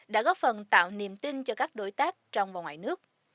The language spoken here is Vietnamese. đã góp phần tạo niềm tin cho các đối tác trong và ngoài nước